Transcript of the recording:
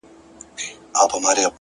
هره ورځ د ځان د بدلولو فرصت دی!.